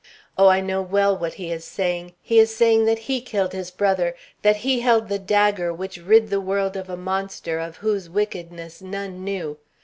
Oh, I know well what he is saying. He is saying that he killed his brother, that he held the dagger which rid the world of a monster of whose wickedness none knew.